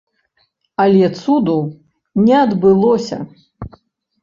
Але цуду не адбылося.